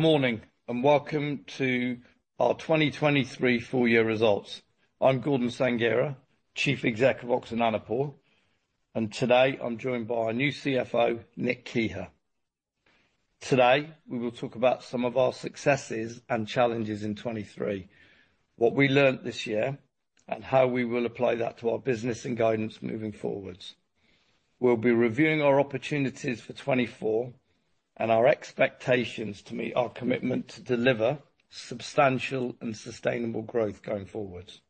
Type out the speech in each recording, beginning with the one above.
Good morning and welcome to our 2023 full-year results. I'm Gordon Sanghera, Chief Executive Oxford Nanopore, and today I'm joined by our new CFO, Nick Keher. Today we will talk about some of our successes and challenges in 2023, what we learned this year, and how we will apply that to our business and guidance moving forwards. We'll be reviewing our opportunities for 2024 and our expectations to meet our commitment to deliver substantial and sustainable growth going forwards.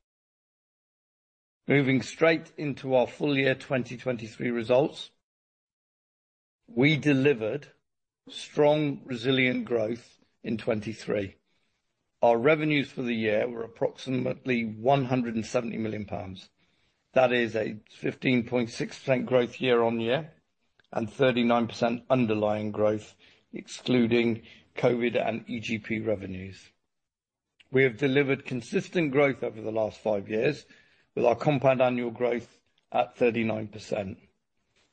Moving straight into our full-year 2023 results, we delivered strong, resilient growth in 2023. Our revenues for the year were approximately 170 million pounds. That is a 15.6% growth year-on-year and 39% underlying growth excluding COVID and EGP revenues. We have delivered consistent growth over the last five years, with our compound annual growth at 39%.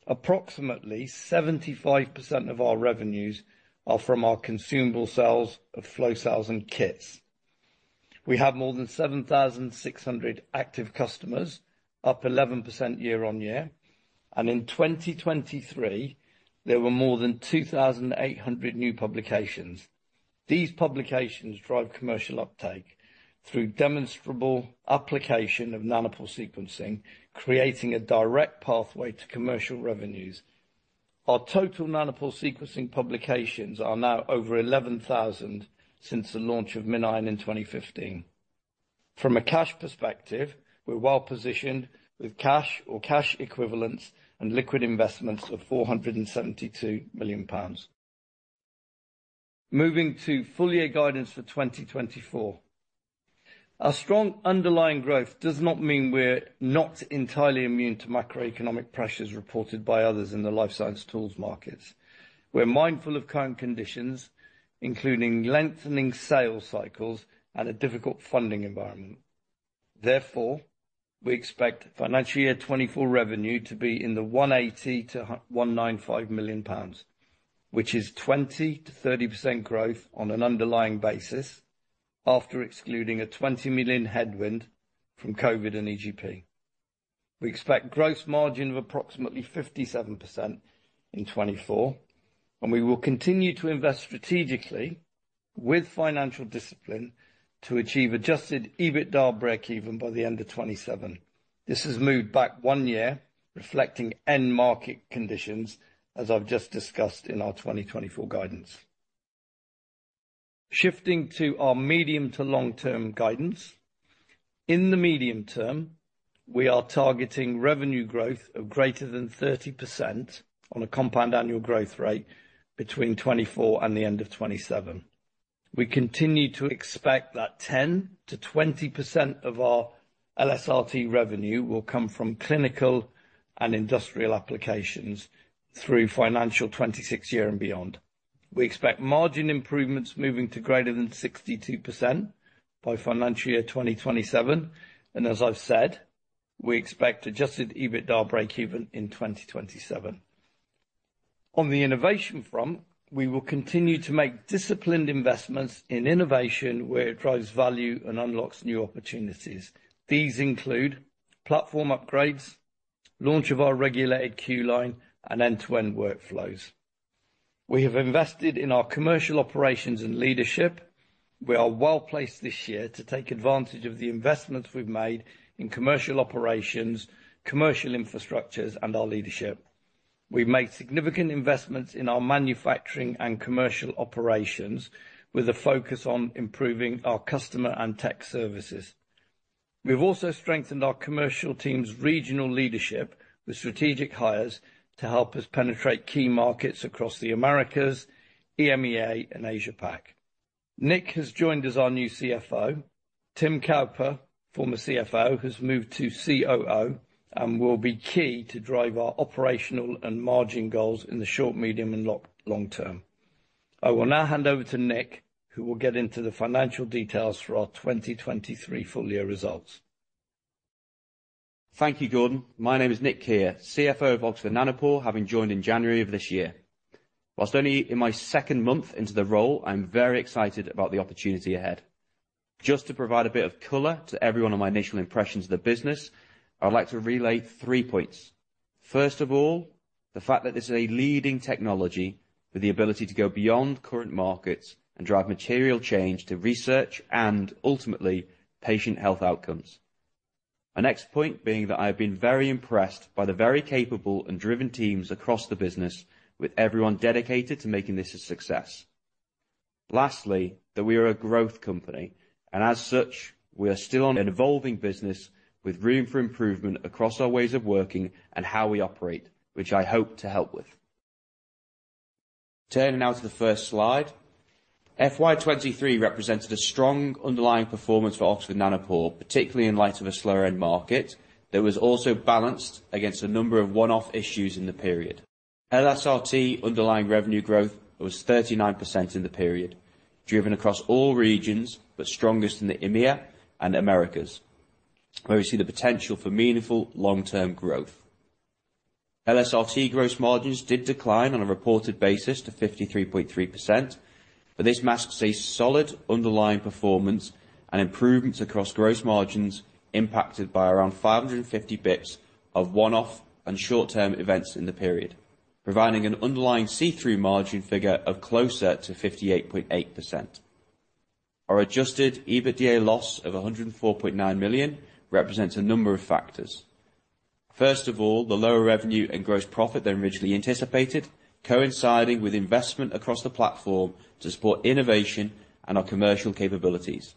Approximately 75% of our revenues are from our consumable sales of flow cells and kits. We have more than 7,600 active customers, up 11% year-on-year, and in 2023, there were more than 2,800 new publications. These publications drive commercial uptake through demonstrable application of Nanopore sequencing, creating a direct pathway to commercial revenues. Our total Nanopore sequencing publications are now over 11,000 since the launch of MinION in 2015. From a cash perspective, we're well positioned with cash or cash equivalents and liquid investments of 472 million pounds. Moving to full-year guidance for 2024, our strong underlying growth does not mean we're not entirely immune to macroeconomic pressures reported by others in the life science tools markets. We're mindful of current conditions, including lengthening sales cycles and a difficult funding environment. Therefore, we expect financial year 2024 revenue to be in the 180 million-195 million pounds, which is 20%-30% growth on an underlying basis after excluding a 20 million headwind from COVID and EGP. We expect gross margin of approximately 57% in 2024, and we will continue to invest strategically with financial discipline to achieve adjusted EBITDA break-even by the end of 2027. This has moved back one year, reflecting end-market conditions, as I've just discussed in our 2024 guidance. Shifting to our medium to long-term guidance, in the medium term, we are targeting revenue growth of greater than 30% on a compound annual growth rate between 2024 and the end of 2027. We continue to expect that 10%-20% of our LSRT revenue will come from clinical and industrial applications through financial 2026 year and beyond. We expect margin improvements moving to greater than 62% by financial year 2027, and as I've said, we expect adjusted EBITDA break-even in 2027. On the innovation front, we will continue to make disciplined investments in innovation where it drives value and unlocks new opportunities. These include platform upgrades, launch of our regulated Q-Line, and end-to-end workflows. We have invested in our commercial operations and leadership. We are well placed this year to take advantage of the investments we've made in commercial operations, commercial infrastructures, and our leadership. We've made significant investments in our manufacturing and commercial operations with a focus on improving our customer and tech services. We've also strengthened our commercial team's regional leadership with strategic hires to help us penetrate key markets across the Americas, EMEA, and Asia-Pac. Nick has joined as our new CFO. Tim Cowper, former CFO, has moved to COO and will be key to drive our operational and margin goals in the short, medium, and long term. I will now hand over to Nick, who will get into the financial details for our 2023 full-year results. Thank you, Gordon. My name is Nick Keher, CFO of Oxford Nanopore, having joined in January of this year. While only in my second month into the role, I'm very excited about the opportunity ahead. Just to provide a bit of color to everyone on my initial impressions of the business, I'd like to relay three points. First of all, the fact that this is a leading technology with the ability to go beyond current markets and drive material change to research and, ultimately, patient health outcomes. My next point being that I have been very impressed by the very capable and driven teams across the business, with everyone dedicated to making this a success. Lastly, that we are a growth company, and as such, we are still an evolving business with room for improvement across our ways of working and how we operate, which I hope to help with. Turning now to the first slide, FY 2023 represented a strong underlying performance for Oxford Nanopore, particularly in light of a slower-end market that was also balanced against a number of one-off issues in the period. LSRT underlying revenue growth was 39% in the period, driven across all regions but strongest in the EMEA and Americas, where we see the potential for meaningful long-term growth. LSRT gross margins did decline on a reported basis to 53.3%, but this masks a solid underlying performance and improvements across gross margins impacted by around 550 basis points of one-off and short-term events in the period, providing an underlying see-through margin figure of closer to 58.8%. Our Adjusted EBITDA loss of 104.9 million represents a number of factors. First of all, the lower revenue and gross profit than originally anticipated, coinciding with investment across the platform to support innovation and our commercial capabilities.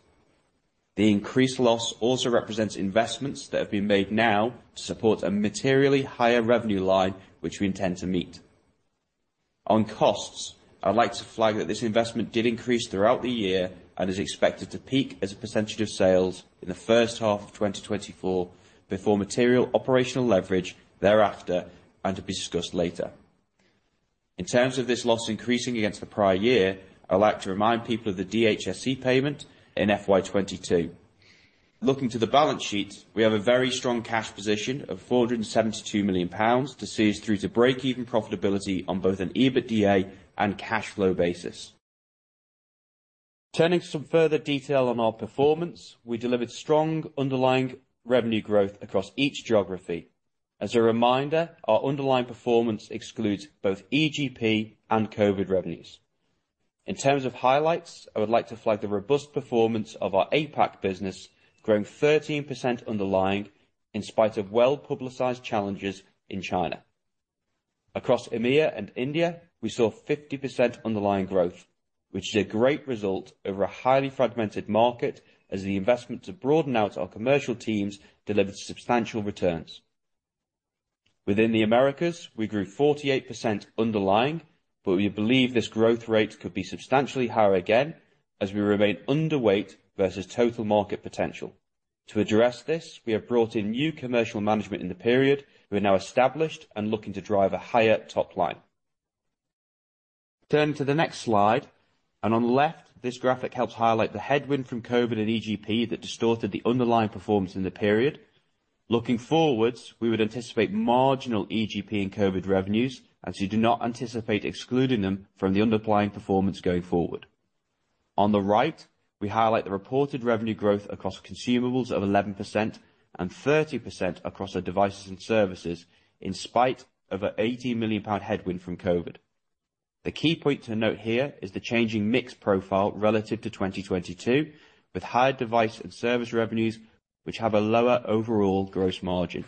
The increased loss also represents investments that have been made now to support a materially higher revenue line, which we intend to meet. On costs, I'd like to flag that this investment did increase throughout the year and is expected to peak as a percentage of sales in the first half of 2024 before material operational leverage thereafter and to be discussed later. In terms of this loss increasing against the prior year, I'd like to remind people of the DHSC payment in FY 2022. Looking to the balance sheet, we have a very strong cash position of 472 million pounds to see us through to break-even profitability on both an EBITDA and cash flow basis. Turning to some further detail on our performance, we delivered strong underlying revenue growth across each geography. As a reminder, our underlying performance excludes both EGP and COVID revenues. In terms of highlights, I would like to flag the robust performance of our APAC business, growing 13% underlying in spite of well-publicized challenges in China. Across EMEA and India, we saw 50% underlying growth, which is a great result over a highly fragmented market as the investment to broaden out our commercial teams delivered substantial returns. Within the Americas, we grew 48% underlying, but we believe this growth rate could be substantially higher again as we remain underweight versus total market potential. To address this, we have brought in new commercial management in the period who are now established and looking to drive a higher top line. Turning to the next slide, and on the left, this graphic helps highlight the headwind from COVID and EGP that distorted the underlying performance in the period. Looking forwards, we would anticipate marginal EGP and COVID revenues, as we do not anticipate excluding them from the underlying performance going forward. On the right, we highlight the reported revenue growth across consumables of 11% and 30% across our devices and services, in spite of a 80 million pound headwind from COVID. The key point to note here is the changing mix profile relative to 2022, with higher device and service revenues, which have a lower overall gross margin.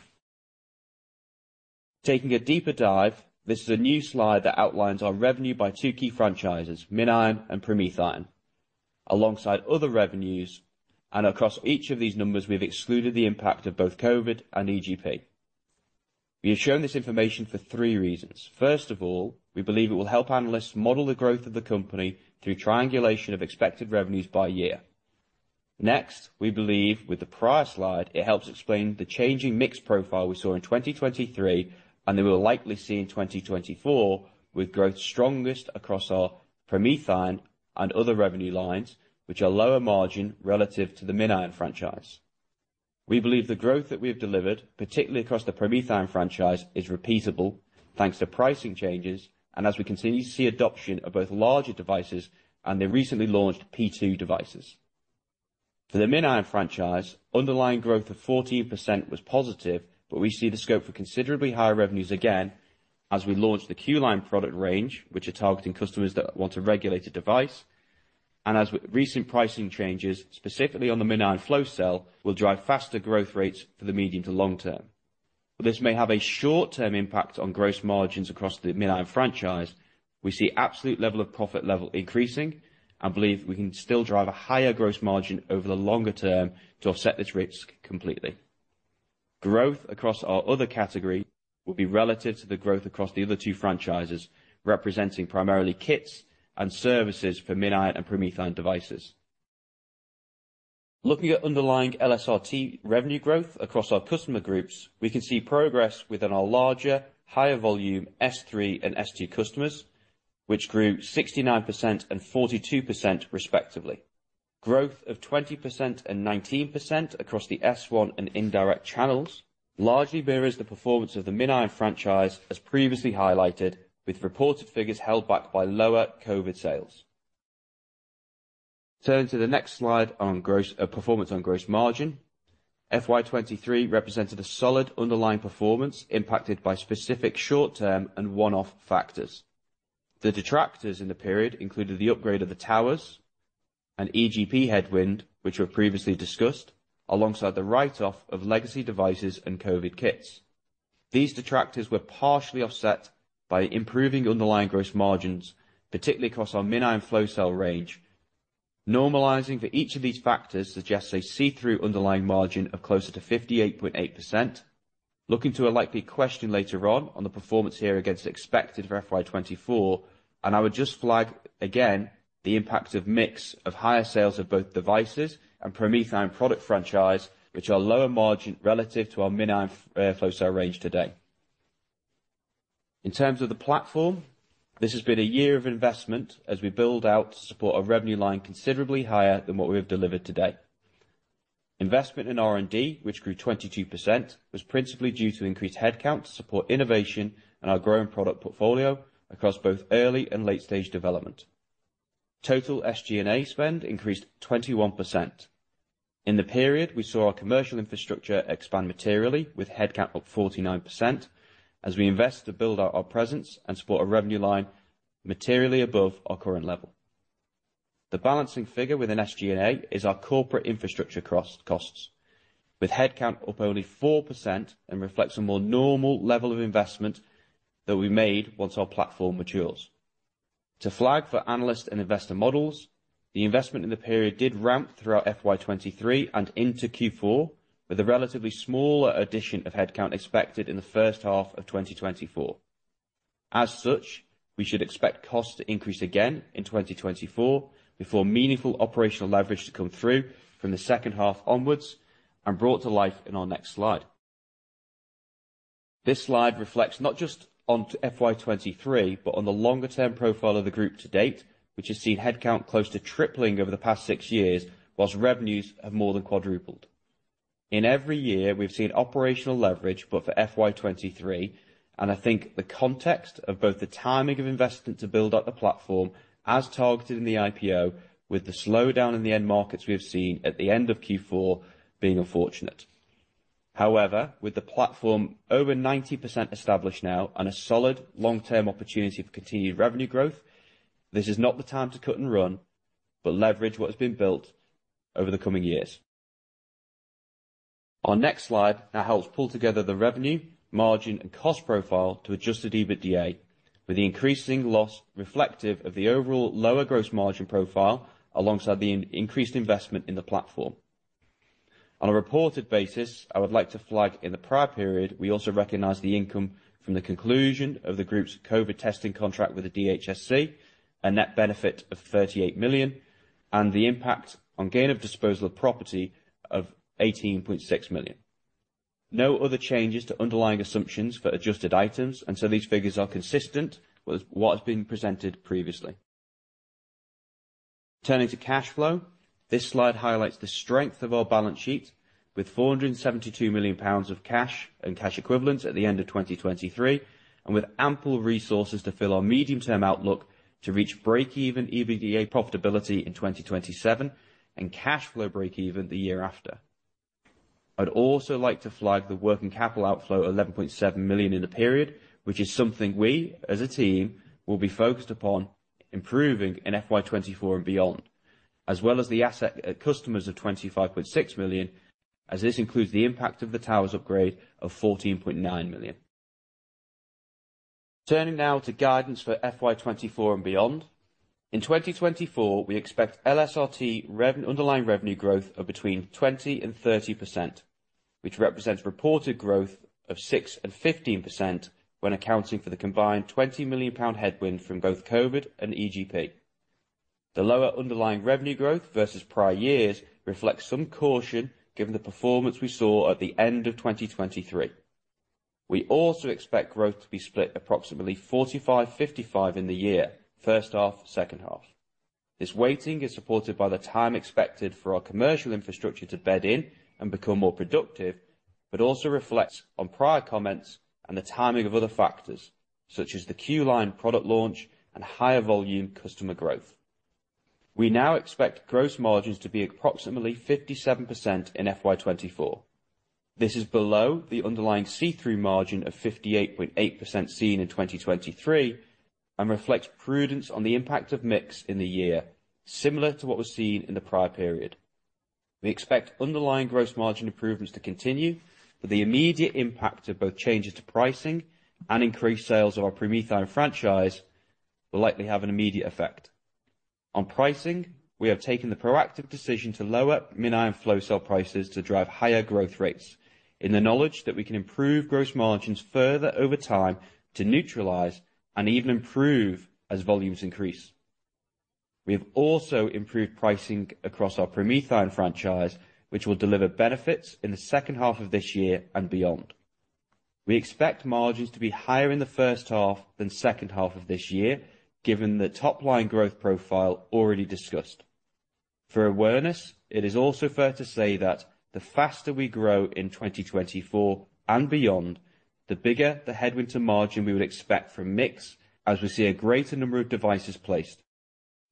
Taking a deeper dive, this is a new slide that outlines our revenue by two key franchises, MinION and PromethION, alongside other revenues, and across each of these numbers, we have excluded the impact of both COVID and EGP. We have shown this information for three reasons. First of all, we believe it will help analysts model the growth of the company through triangulation of expected revenues by year. Next, we believe, with the prior slide, it helps explain the changing mix profile we saw in 2023 and that we will likely see in 2024, with growth strongest across our PromethION and other revenue lines, which are lower margin relative to the MinION franchise. We believe the growth that we have delivered, particularly across the PromethION franchise, is repeatable thanks to pricing changes and as we continue to see adoption of both larger devices and the recently launched P2 devices. For the MinION franchise, underlying growth of 14% was positive, but we see the scope for considerably higher revenues again as we launch the Q-Line product range, which are targeting customers that want a regulated device, and as recent pricing changes, specifically on the MinION flow cell, will drive faster growth rates for the medium to long term. This may have a short-term impact on gross margins across the MinION franchise. We see absolute level of profit level increasing and believe we can still drive a higher gross margin over the longer term to offset this risk completely. Growth across our other category will be relative to the growth across the other two franchises, representing primarily kits and services for MinION and PromethION devices. Looking at underlying LSRT revenue growth across our customer groups, we can see progress within our larger, higher volume S3 and S2 customers, which grew 69% and 42% respectively. Growth of 20% and 19% across the S1 and indirect channels largely mirrors the performance of the MinION franchise, as previously highlighted, with reported figures held back by lower COVID sales. Turning to the next slide on performance on gross margin, FY 2023 represented a solid underlying performance impacted by specific short-term and one-off factors. The detractors in the period included the upgrade of the towers and EGP headwind, which we've previously discussed, alongside the write-off of legacy devices and COVID kits. These detractors were partially offset by improving underlying gross margins, particularly across our MinION flow cell range. Normalizing for each of these factors suggests a see-through underlying margin of closer to 58.8%. Looking to a likely question later on the performance here against expected for FY 2024, and I would just flag again the impact of mix of higher sales of both devices and PromethION product franchise, which are lower margin relative to our MinION flow cell range today. In terms of the platform, this has been a year of investment as we build out to support a revenue line considerably higher than what we have delivered today. Investment in R&D, which grew 22%, was principally due to increased headcount to support innovation and our growing product portfolio across both early and late-stage development. Total SG&A spend increased 21%. In the period, we saw our commercial infrastructure expand materially with headcount up 49% as we invest to build out our presence and support a revenue line materially above our current level. The balancing figure within SG&A is our corporate infrastructure costs, with headcount up only 4% and reflects a more normal level of investment that we made once our platform matures. To flag for analyst and investor models, the investment in the period did ramp throughout FY 2023 and into Q4, with a relatively smaller addition of headcount expected in the first half of 2024. As such, we should expect costs to increase again in 2024 before meaningful operational leverage to come through from the second half onwards and brought to life in our next slide. This slide reflects not just on FY 2023 but on the longer-term profile of the group to date, which has seen headcount close to tripling over the past six years, while revenues have more than quadrupled. In every year, we've seen operational leverage, but for FY 2023, and I think the context of both the timing of investment to build up the platform as targeted in the IPO, with the slowdown in the end markets we have seen at the end of Q4 being unfortunate. However, with the platform over 90% established now and a solid long-term opportunity for continued revenue growth, this is not the time to cut and run but leverage what has been built over the coming years. Our next slide now helps pull together the revenue, margin, and cost profile to adjusted EBITDA, with the increasing loss reflective of the overall lower gross margin profile alongside the increased investment in the platform. On a reported basis, I would like to flag in the prior period we also recognize the income from the conclusion of the group's COVID testing contract with the DHSC, a net benefit of 38 million, and the impact on gain of disposal of property of 18.6 million. No other changes to underlying assumptions for adjusted items, and so these figures are consistent with what has been presented previously. Turning to cash flow, this slide highlights the strength of our balance sheet, with 472 million pounds of cash and cash equivalents at the end of 2023, and with ample resources to fill our medium-term outlook to reach break-even EBITDA profitability in 2027 and cash flow break-even the year after. I'd also like to flag the working capital outflow of 11.7 million in the period, which is something we, as a team, will be focused upon improving in FY 2024 and beyond, as well as the capex of 25.6 million, as this includes the impact of the towers upgrade of 14.9 million. Turning now to guidance for FY 2024 and beyond, in 2024, we expect LSRT underlying revenue growth of between 20%-30%, which represents reported growth of 6%-15% when accounting for the combined 20 million pound headwind from both COVID and EGP. The lower underlying revenue growth versus prior years reflects some caution given the performance we saw at the end of 2023. We also expect growth to be split approximately 45/55 in the year, first half, second half. This weighting is supported by the time expected for our commercial infrastructure to bed in and become more productive, but also reflects on prior comments and the timing of other factors, such as the Q-Line product launch and higher volume customer growth. We now expect gross margins to be approximately 57% in FY 2024. This is below the underlying see-through margin of 58.8% seen in 2023 and reflects prudence on the impact of mix in the year, similar to what was seen in the prior period. We expect underlying gross margin improvements to continue, but the immediate impact of both changes to pricing and increased sales of our PromethION franchise will likely have an immediate effect. On pricing, we have taken the proactive decision to lower MinION flow cell prices to drive higher growth rates in the knowledge that we can improve gross margins further over time to neutralise and even improve as volumes increase. We have also improved pricing across our PromethION franchise, which will deliver benefits in the second half of this year and beyond. We expect margins to be higher in the first half than second half of this year, given the top line growth profile already discussed. For awareness, it is also fair to say that the faster we grow in 2024 and beyond, the bigger the headwind to margin we would expect from mix as we see a greater number of devices placed,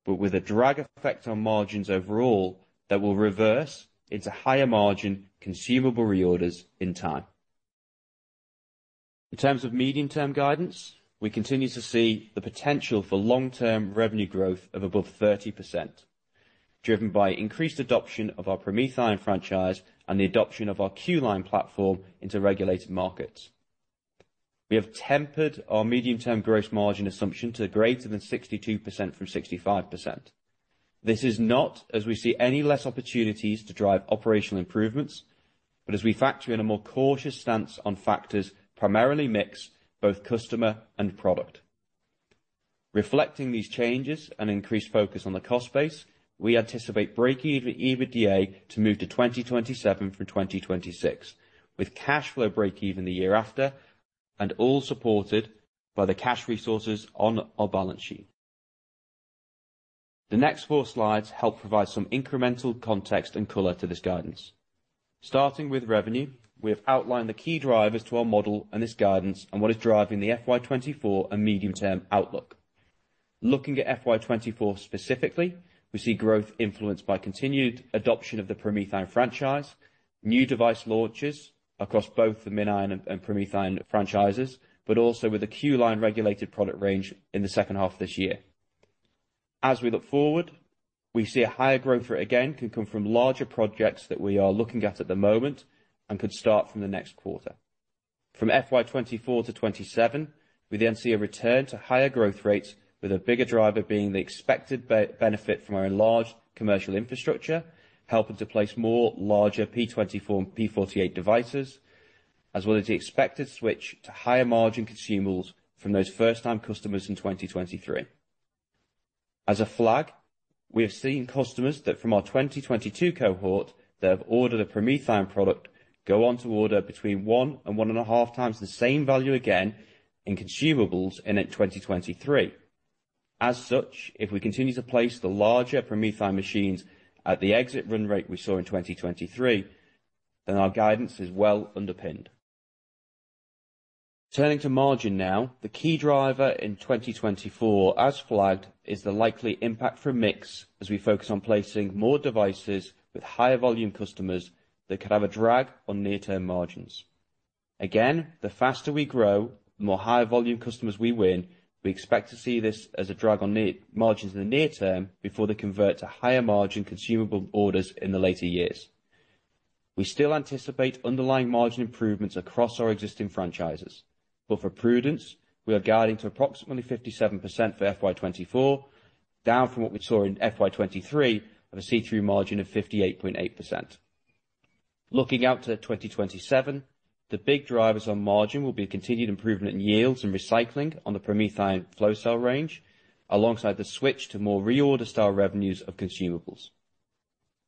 but with a drag effect on margins overall that will reverse into higher margin consumable reorders in time. In terms of medium-term guidance, we continue to see the potential for long-term revenue growth of above 30%, driven by increased adoption of our PromethION franchise and the adoption of our Q-Line platform into regulated markets. We have tempered our medium-term gross margin assumption to greater than 62% from 65%. This is not as we see any less opportunities to drive operational improvements, but as we factor in a more cautious stance on factors primarily mix, both customer and product. Reflecting these changes and increased focus on the cost base, we anticipate break-even EBITDA to move to 2027 from 2026, with cash flow break-even the year after and all supported by the cash resources on our balance sheet. The next four slides help provide some incremental context and color to this guidance. Starting with revenue, we have outlined the key drivers to our model and this guidance and what is driving the FY 2024 and medium-term outlook. Looking at FY 2024 specifically, we see growth influenced by continued adoption of the PromethION franchise, new device launches across both the MinION and PromethION franchises, but also with the Q-Line regulated product range in the second half of this year. As we look forward, we see a higher growth rate again can come from larger projects that we are looking at at the moment and could start from the next quarter. From FY 2024 to 2027, we then see a return to higher growth rates, with a bigger driver being the expected benefit from our enlarged commercial infrastructure, helping to place more larger P24 and P48 devices, as well as the expected switch to higher margin consumables from those first-time customers in 2023. As a flag, we have seen customers that from our 2022 cohort that have ordered a PromethION product go on to order between 1 and 1.5 times the same value again in consumables in 2023. As such, if we continue to place the larger PromethION machines at the exit run rate we saw in 2023, then our guidance is well underpinned. Turning to margin now, the key driver in 2024, as flagged, is the likely impact from mix as we focus on placing more devices with higher volume customers that could have a drag on near-term margins. Again, the faster we grow, the more higher volume customers we win, we expect to see this as a drag on margins in the near term before they convert to higher margin consumable orders in the later years. We still anticipate underlying margin improvements across our existing franchises, but for prudence, we are guiding to approximately 57% for FY 2024, down from what we saw in FY 2023 of a see-through margin of 58.8%. Looking out to 2027, the big drivers on margin will be a continued improvement in yields and recycling on the PromethION flow cell range alongside the switch to more reorder-style revenues of consumables.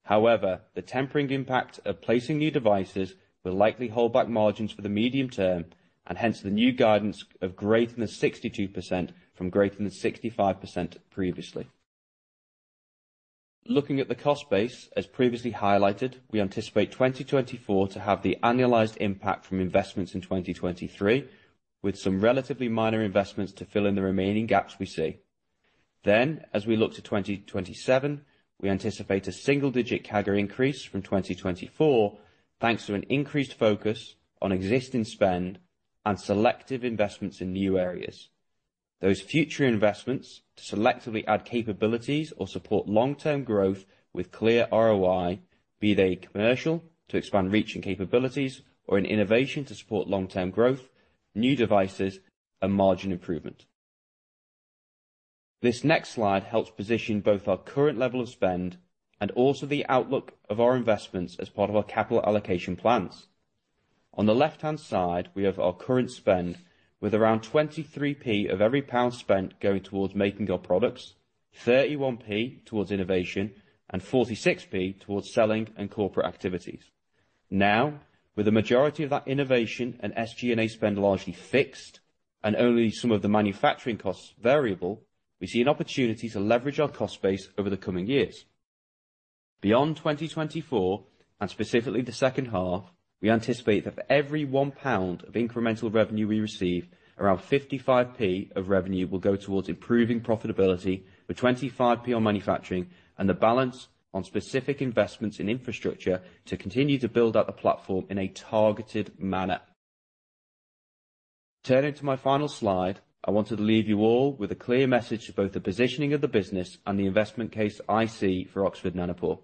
However, the tempering impact of placing new devices will likely hold back margins for the medium term and hence the new guidance of greater than 62% from greater than 65% previously. Looking at the cost base, as previously highlighted, we anticipate 2024 to have the annualized impact from investments in 2023, with some relatively minor investments to fill in the remaining gaps we see. Then, as we look to 2027, we anticipate a single-digit CAGR increase from 2024 thanks to an increased focus on existing spend and selective investments in new areas. Those future investments to selectively add capabilities or support long-term growth with clear ROI, be they commercial to expand reach and capabilities or in innovation to support long-term growth, new devices, and margin improvement. This next slide helps position both our current level of spend and also the outlook of our investments as part of our capital allocation plans. On the left-hand side, we have our current spend with around 23p of every pound spent going towards making our products, 31p towards innovation, and 46p towards selling and corporate activities. Now, with the majority of that innovation and SG&A spend largely fixed and only some of the manufacturing costs variable, we see an opportunity to leverage our cost base over the coming years. Beyond 2024 and specifically the second half, we anticipate that for every £1 of incremental revenue we receive, around 55p of revenue will go towards improving profitability with 25p on manufacturing and the balance on specific investments in infrastructure to continue to build up the platform in a targeted manner. Turning to my final slide, I wanted to leave you all with a clear message to both the positioning of the business and the investment case I see for Oxford Nanopore.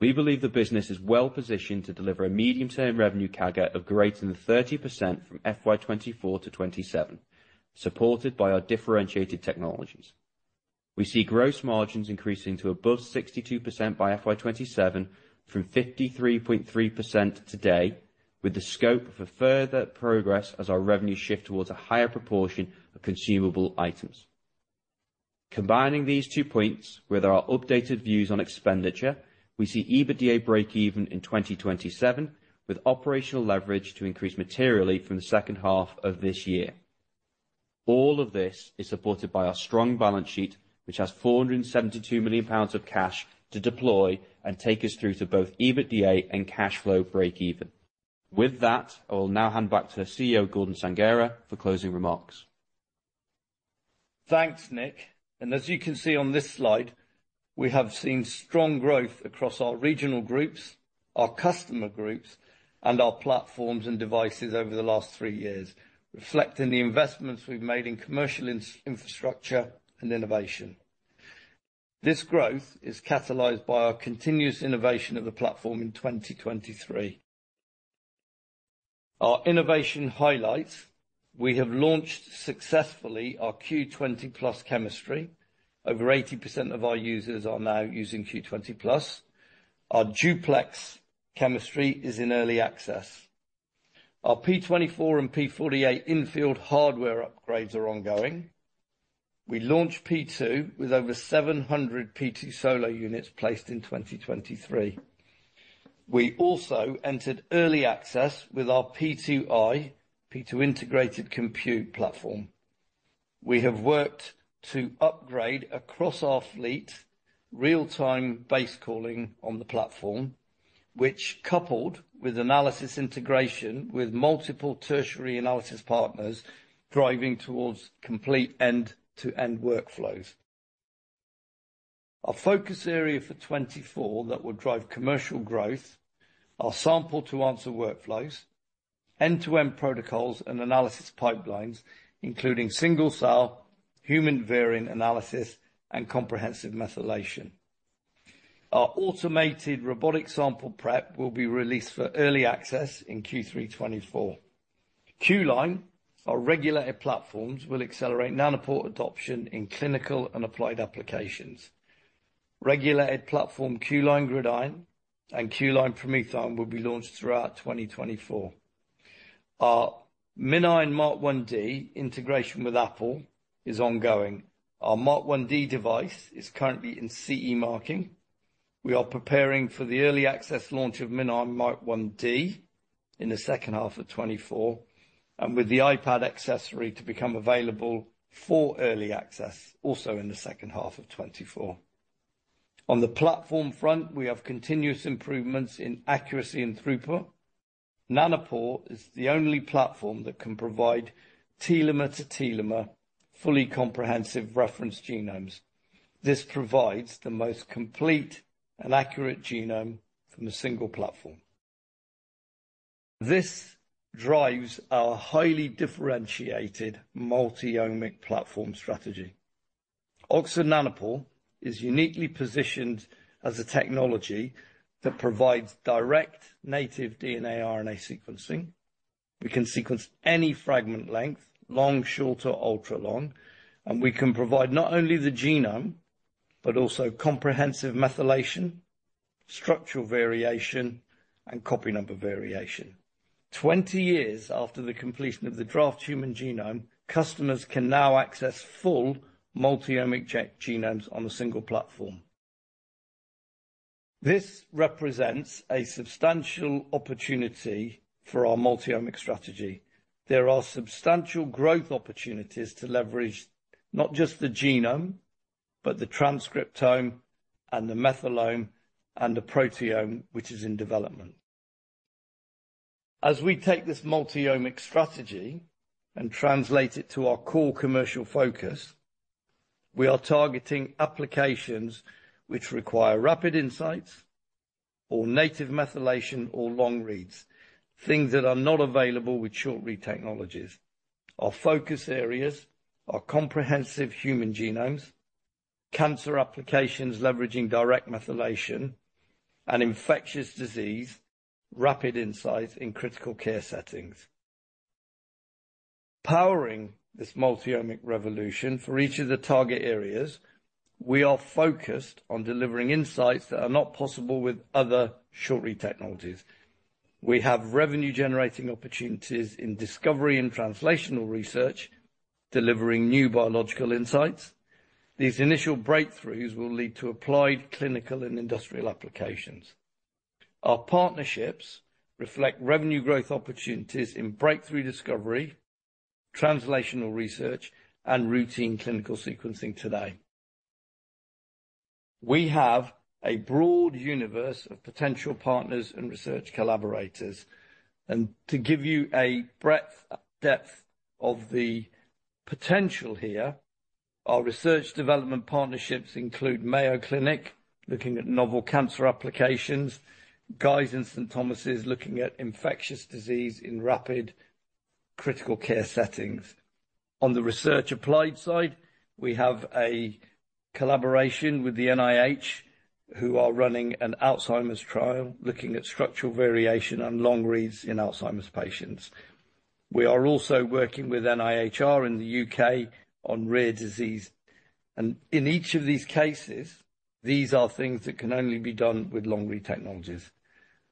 We believe the business is well positioned to deliver a medium-term revenue CAGR of greater than 30% from FY 2024 to 2027, supported by our differentiated technologies. We see gross margins increasing to above 62% by FY 2027 from 53.3% today, with the scope for further progress as our revenues shift towards a higher proportion of consumable items. Combining these two points with our updated views on expenditure, we see EBITDA break-even in 2027 with operational leverage to increase materially from the second half of this year. All of this is supported by our strong balance sheet, which has GBP 472 million of cash to deploy and take us through to both EBITDA and cash flow break-even. With that, I will now hand back to CEO Gordon Sanghera for closing remarks. Thanks, Nick. As you can see on this slide, we have seen strong growth across our regional groups, our customer groups, and our platforms and devices over the last three years, reflecting the investments we've made in commercial infrastructure and innovation. This growth is catalysed by our continuous innovation of the platform in 2023. Our innovation highlights: we have launched successfully our Q20+ chemistry. Over 80% of our users are now using Q20+. Our Duplex chemistry is in early access. Our P24 and P48 infield hardware upgrades are ongoing. We launched P2 with over 700 P2 Solo units placed in 2023. We also entered early access with our P2i, P2 integrated compute platform. We have worked to upgrade across our fleet real-time base calling on the platform, which coupled with analysis integration with multiple tertiary analysis partners driving towards complete end-to-end workflows. Our focus area for 2024 that will drive commercial growth are sample-to-answer workflows, end-to-end protocols, and analysis pipelines, including single-cell, human-variant analysis, and comprehensive methylation. Our automated robotic sample prep will be released for early access in Q3 2024. Q-Line, our regulated platforms, will accelerate Nanopore adoption in clinical and applied applications. Regulated platform Q-Line GridION and Q-Line PromethION will be launched throughout 2024. Our MinION Mk1D integration with Apple is ongoing. Our Mk1D device is currently in CE marking. We are preparing for the early access launch of MinION Mk1D in the second half of 2024, and with the iPad accessory to become available for early access also in the second half of 2024. On the platform front, we have continuous improvements in accuracy and throughput. Nanopore is the only platform that can provide telomere-to-telomere, fully comprehensive reference genomes. This provides the most complete and accurate genome from a single platform. This drives our highly differentiated multi-omic platform strategy. Oxford Nanopore is uniquely positioned as a technology that provides direct native DNA RNA sequencing. We can sequence any fragment length, long, shorter, ultra-long, and we can provide not only the genome but also comprehensive methylation, structural variation, and copy number variation. 20 years after the completion of the draft human genome, customers can now access full multi-omic genomes on a single platform. This represents a substantial opportunity for our multi-omic strategy. There are substantial growth opportunities to leverage not just the genome but the transcriptome and the methylome and the proteome, which is in development. As we take this multi-omic strategy and translate it to our core commercial focus, we are targeting applications which require rapid insights or native methylation or long reads, things that are not available with short read technologies. Our focus areas are comprehensive human genomes, cancer applications leveraging direct methylation, and infectious disease, rapid insights in critical care settings. Powering this multi-omic revolution for each of the target areas, we are focused on delivering insights that are not possible with other short read technologies. We have revenue-generating opportunities in discovery and translational research, delivering new biological insights. These initial breakthroughs will lead to applied clinical and industrial applications. Our partnerships reflect revenue growth opportunities in breakthrough discovery, translational research, and routine clinical sequencing today. We have a broad universe of potential partners and research collaborators. And to give you a breadth and depth of the potential here, our research development partnerships include Mayo Clinic looking at novel cancer applications, Guy's and St Thomas' looking at infectious disease in rapid critical care settings. On the research applied side, we have a collaboration with the NIH who are running an Alzheimer's trial looking at structural variation and long reads in Alzheimer's patients. We are also working with NIHR in the UK on rare disease. In each of these cases, these are things that can only be done with long read technologies.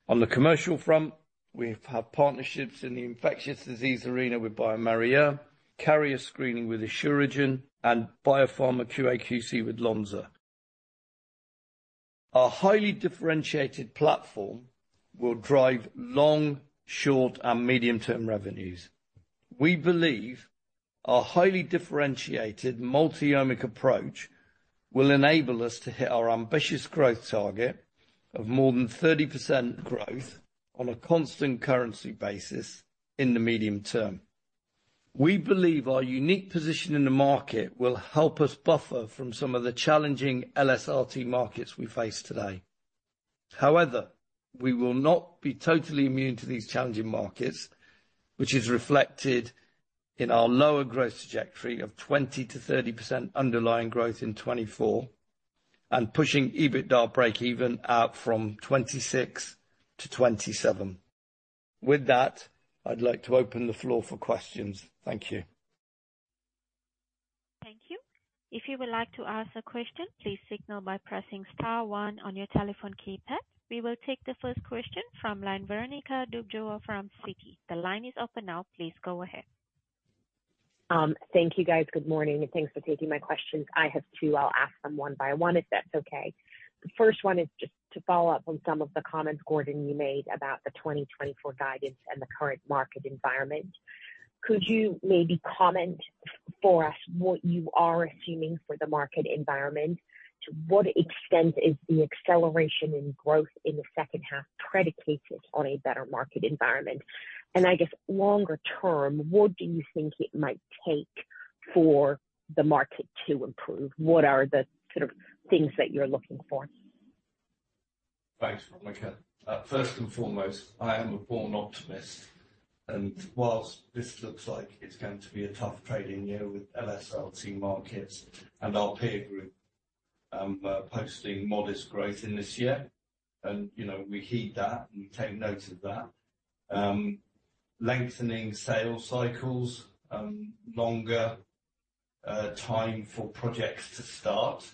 On the commercial front, we have partnerships in the infectious disease arena with bioMérieux, carrier screening with Asuragen, and biopharma QA/QC with Lonza. Our highly differentiated platform will drive long-, short-, and medium-term revenues. We believe our highly differentiated multi-omic approach will enable us to hit our ambitious growth target of more than 30% growth on a constant currency basis in the medium term. We believe our unique position in the market will help us buffer from some of the challenging LSRT markets we face today. However, we will not be totally immune to these challenging markets, which is reflected in our lower growth trajectory of 20%-30% underlying growth in 2024 and pushing EBITDA break-even out from 26%-27%. With that, I'd like to open the floor for questions. Thank you. Thank you. If you would like to ask a question, please signal by pressing star one on your telephone keypad. We will take the first question from Veronika Dubajova or from Citi. The line is open now. Please go ahead. Thank you, guys. Good morning. Thanks for taking my questions. I have two. I'll ask them one by one if that's okay. The first one is just to follow up on some of the comments, Gordon, you made about the 2024 guidance and the current market environment. Could you maybe comment for us what you are assuming for the market environment? To what extent is the acceleration in growth in the second half predicated on a better market environment? And I guess, longer term, what do you think it might take for the market to improve? What are the sort of things that you're looking for? Thanks, Veronika. First and foremost, I am a born optimist. Whilst this looks like it's going to be a tough trading year with LSRT markets and our peer group posting modest growth in this year, and we heed that and we take note of that, lengthening sales cycles, longer time for projects to start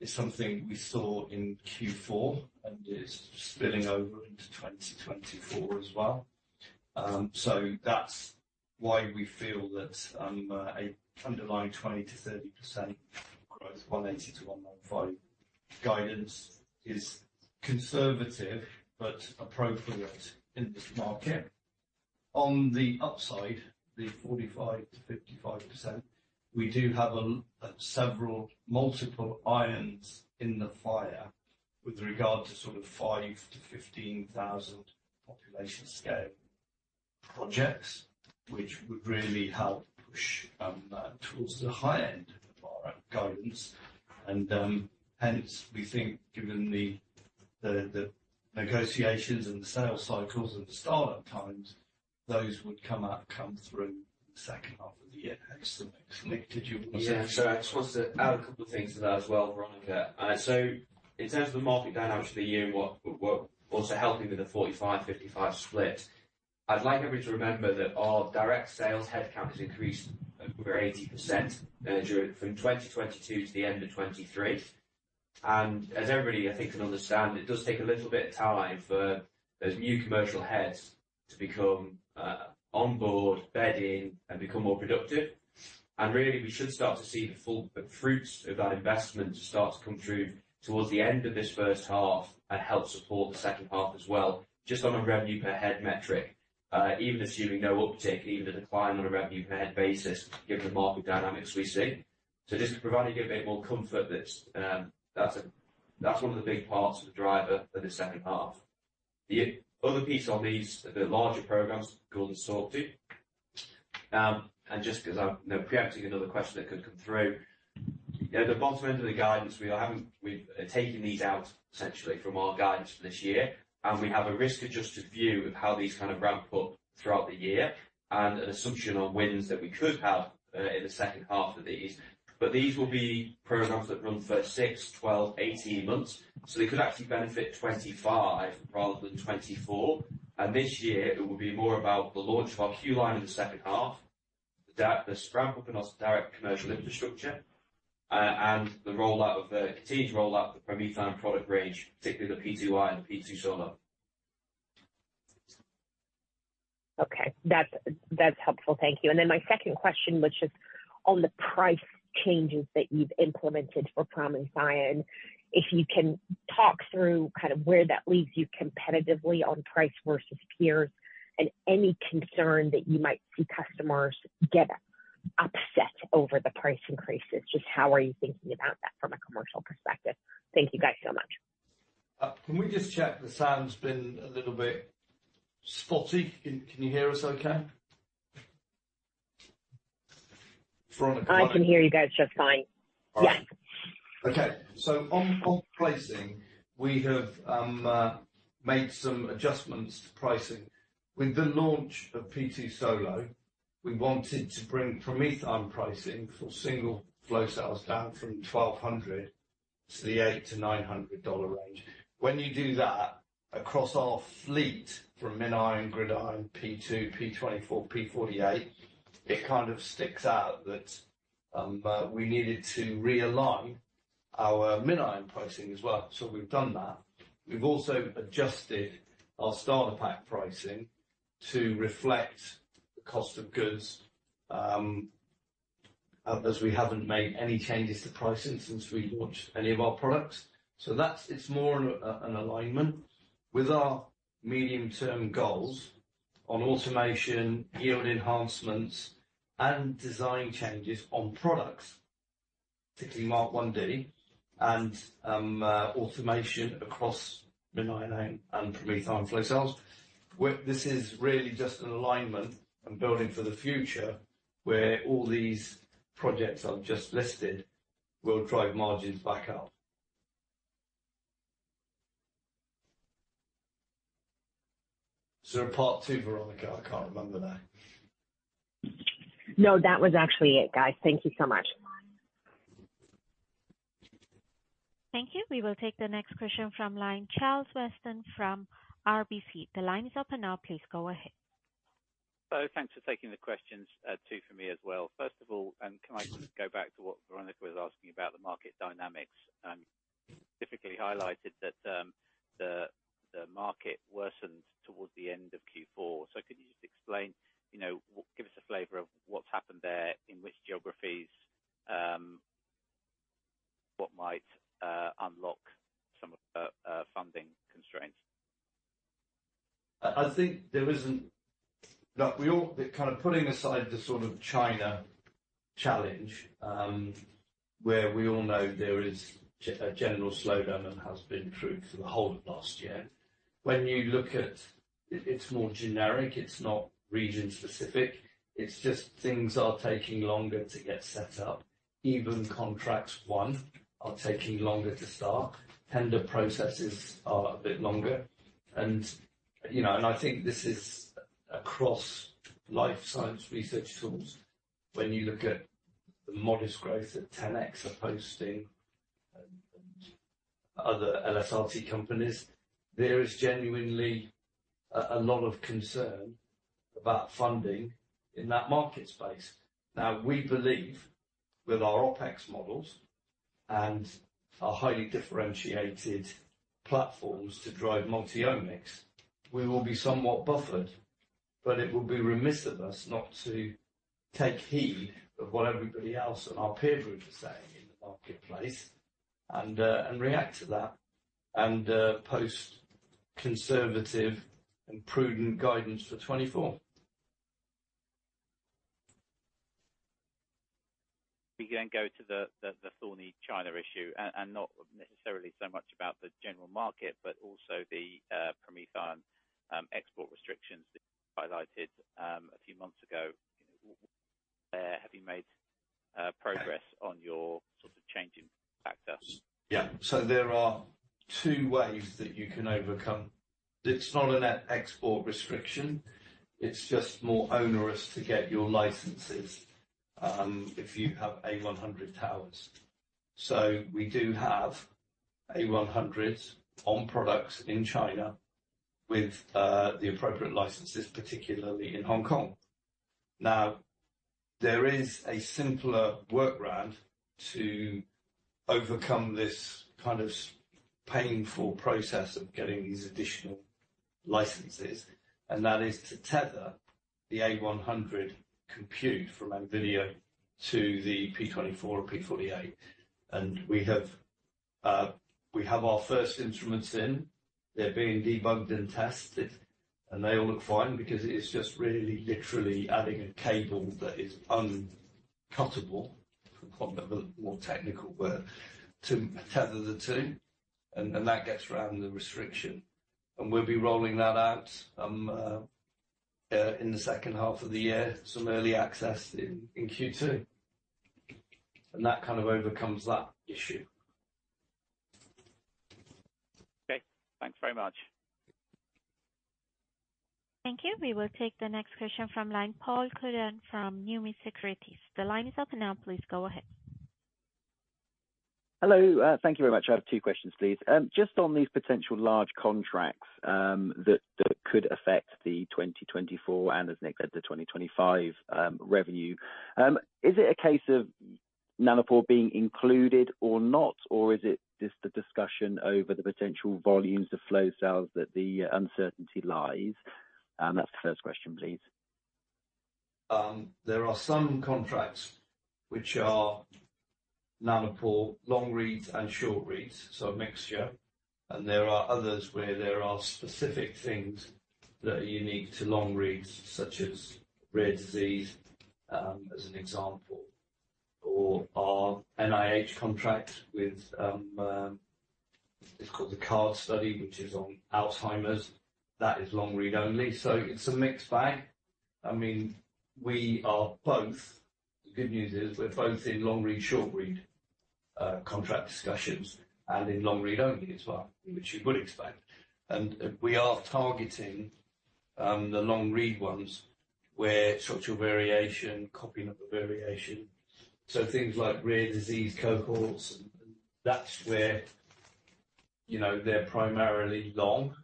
is something we saw in Q4, and it's spilling over into 2024 as well. That's why we feel that underlying 20%-30% growth, 180%-195% guidance, is conservative but appropriate in this market. On the upside, the 45%-55%, we do have several multiple irons in the fire with regard to sort of 5,000-15,000 population scale projects, which would really help push towards the high end of our guidance. And hence, we think given the negotiations and the sales cycles and the startup times, those would come through the second half of the year. So Nick, do you? Yeah. I just wanted to add a couple of things to that as well, Veronika. In terms of the market dynamics for the year and also helping with the 45%-55% split, I'd like everyone to remember that our direct sales headcount has increased over 80% from 2022 to the end of 2023. As everybody, I think, can understand, it does take a little bit of time for those new commercial heads to become onboard, bedding, and become more productive. Really, we should start to see the full fruits of that investment to start to come through towards the end of this first half and help support the second half as well, just on a revenue per head metric, even assuming no uptick, even a decline on a revenue per head basis given the market dynamics we see. So this could provide you a bit more comfort, that's one of the big parts of the driver for this second half. The other piece on these are the larger programs Gordon's talked to. And just as I'm preempting another question that could come through, at the bottom end of the guidance, we've taken these out, essentially, from our guidance for this year. And we have a risk-adjusted view of how these kind of ramp up throughout the year and an assumption on wins that we could have in the second half of these. But these will be programs that run for six, 12, 18 months. So they could actually benefit 2025 rather than 2024. This year, it will be more about the launch of our Q-Line in the second half, the ramp up in our direct commercial infrastructure, and the continued rollout of the PromethION product range, particularly the P2I and the P2 Solo. Okay. That's helpful. Thank you. And then my second question was just on the price changes that you've implemented for PromethION. If you can talk through kind of where that leaves you competitively on price versus peers and any concern that you might see customers get upset over the price increases, just how are you thinking about that from a commercial perspective? Thank you, guys, so much. Can we just check? The sound's been a little bit spotty. Can you hear us okay? Veronika? I can hear you guys just fine. Yes. Okay. So on pricing, we have made some adjustments to pricing. With the launch of P2 Solo, we wanted to bring PromethION pricing for single flow cells down from $1,200 to the 800-900 range. When you do that across our fleet from MinION GridION, P2, P24, P48, it kind of sticks out that we needed to realign our MinION pricing as well. So we've done that. We've also adjusted our starter pack pricing to reflect the cost of goods as we haven't made any changes to pricing since we launched any of our products. So it's more an alignment with our medium-term goals on automation, yield enhancements, and design changes on products, particularly MinION Mk1D and automation across MinION and PromethION flow cells. This is really just an alignment and building for the future where all these projects I've just listed will drive margins back up. Is there a part two, Veronika? I can't remember that. No, that was actually it, guys. Thank you so much. Thank you. We will take the next question from Charles Weston from RBC. The line is open now. Please go ahead. So thanks for taking the questions too from me as well. First of all, can I just go back to what Veronica was asking about the market dynamics? Typically, highlighted that the market worsened towards the end of Q4. So could you just explain, give us a flavor of what's happened there, in which geographies, what might unlock some of the funding constraints? I think there isn't kind of putting aside the sort of China challenge where we all know there is a general slowdown that has been true for the whole of last year. When you look at it's more generic. It's not region-specific. It's just things are taking longer to get set up. Even contracts won are taking longer to start. Tender processes are a bit longer. And I think this is across life science research tools. When you look at the modest growth at 10x Genomics and other LSRT companies, there is genuinely a lot of concern about funding in that market space. Now, we believe with our OpEx models and our highly differentiated platforms to drive multi-omics, we will be somewhat buffered, but it will be remiss of us not to take heed of what everybody else and our peer group are saying in the marketplace and react to that and post conservative and prudent guidance for 2024. We can go to the thorny China issue and not necessarily so much about the general market, but also the PromethION export restrictions that you highlighted a few months ago. Have you made progress on your sort of changing factor? Yeah. So there are two ways that you can overcome. It's not a net export restriction. It's just more onerous to get your licenses if you have A100 towers. So we do have A100s on products in China with the appropriate licenses, particularly in Hong Kong. Now, there is a simpler workaround to overcome this kind of painful process of getting these additional licenses, and that is to tether the A100 compute from NVIDIA to the P24 or P48. And we have our first instruments in. They're being debugged and tested, and they all look fine because it is just really, literally adding a cable that is uncuttable for quite a bit more technical work to tether the two, and that gets around the restriction. And we'll be rolling that out in the second half of the year, some early access in Q2, and that kind of overcomes that issue. Okay. Thanks very much. Thank you. We will take the next question from Line of Paul Cuddon from Numis Securities. The line is open now. Please go ahead. Hello. Thank you very much. I have two questions, please. Just on these potential large contracts that could affect the 2024 and, as Nick said, the 2025 revenue, is it a case of Nanopore being included or not, or is it just the discussion over the potential volumes of flow cells that the uncertainty lies? That's the first question, please. There are some contracts which are Nanopore long reads and short reads, so a mixture. There are others where there are specific things that are unique to long reads, such as rare disease, as an example, or our NIH contract with, it's called the CARD study, which is on Alzheimer's. That is long read only. It's a mixed bag. I mean, we are both the good news is we're both in long read, short read contract discussions and in long read only as well, which you would expect. We are targeting the long read ones where structural variation, copy number variation, so things like rare disease cohorts. That's where they're primarily long,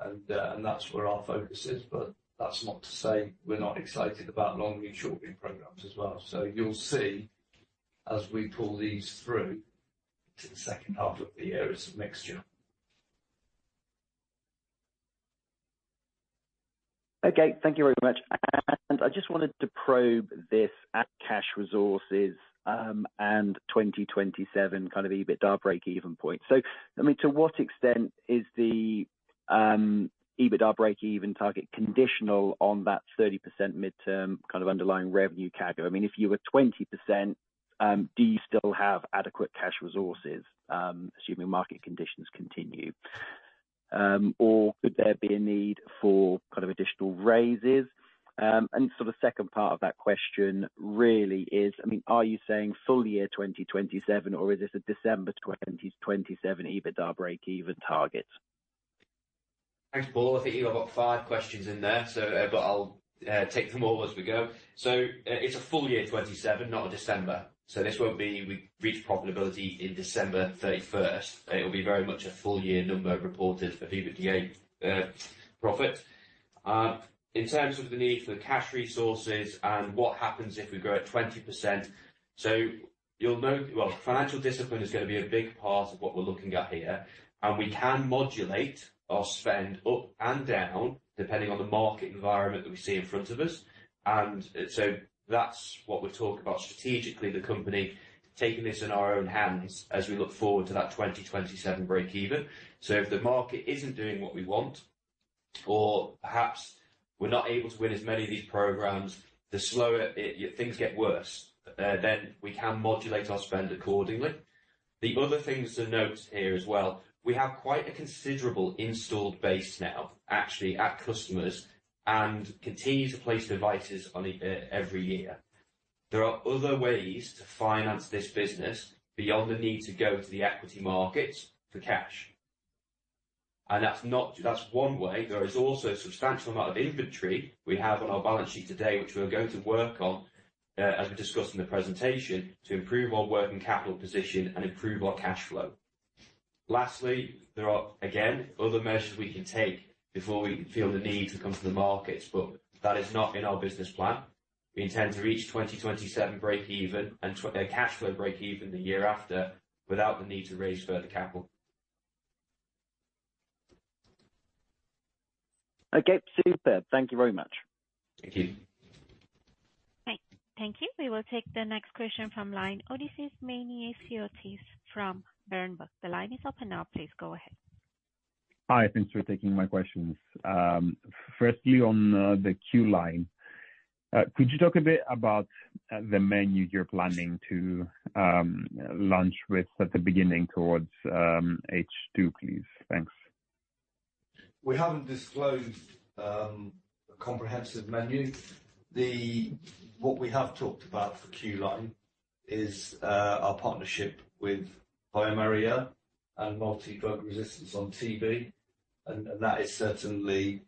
and that's where our focus is. But that's not to say we're not excited about long read, short read programs as well. You'll see, as we pull these through to the second half of the year, it's a mixture. Okay. Thank you very much. I just wanted to probe this at cash resources and 2027 kind of EBITDA break-even point. I mean, to what extent is the EBITDA break-even target conditional on that 30% midterm kind of underlying revenue CAGR? I mean, if you were 20%, do you still have adequate cash resources, assuming market conditions continue, or could there be a need for kind of additional raises? Sort of second part of that question really is, I mean, are you saying full year 2027, or is this a December 2027 EBITDA break-even target? Thanks, Paul. I think you have about 5 questions in there, but I'll take them all as we go. So it's a full year 2027, not a December. So this won't be we reach profitability in December 31st. It'll be very much a full year number reported of EBITDA profit. In terms of the need for cash resources and what happens if we grow at 20%, so you'll note well, financial discipline is going to be a big part of what we're looking at here. And we can modulate our spend up and down depending on the market environment that we see in front of us. And so that's what we're talking about strategically, the company taking this in our own hands as we look forward to that 2027 break-even. So if the market isn't doing what we want or perhaps we're not able to win as many of these programs, the slower things get worse, then we can modulate our spend accordingly. The other thing to note here as well, we have quite a considerable installed base now, actually, at customers and continue to place devices every year. There are other ways to finance this business beyond the need to go to the equity markets for cash. That's one way. There is also a substantial amount of inventory we have on our balance sheet today, which we're going to work on, as we discussed in the presentation, to improve our working capital position and improve our cash flow. Lastly, there are, again, other measures we can take before we feel the need to come to the markets, but that is not in our business plan. We intend to reach 2027 break-even and cash flow break-even the year after without the need to raise further capital. Okay. Super. Thank you very much. Thank you. Thank you. We will take the next question from Odysseas Manesiotis from Berenberg. The line is open now. Please go ahead. Hi. Thanks for taking my questions. Firstly, on the Q-Line, could you talk a bit about the menu you're planning to launch with at the beginning towards H2, please? Thanks. We haven't disclosed a comprehensive menu. What we have talked about for Q-Line is our partnership with bioMérieux and multi-drug resistant TB, and that is certainly